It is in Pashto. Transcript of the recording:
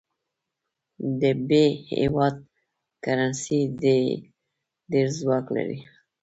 د ب هیواد کرنسي ډېر ځواک لري.